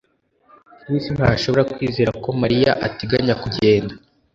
Chris ntashobora kwizera ko Mariya ateganya kugenda